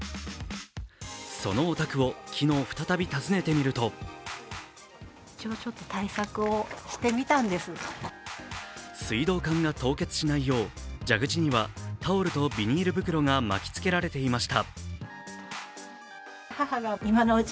そのお宅を昨日、再び訪ねてみると水道管が凍結しないよう蛇口にはタオルとビニール袋が巻きつけられていました。